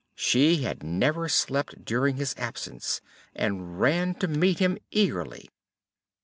She had never slept during his absence, and ran to meet him eagerly.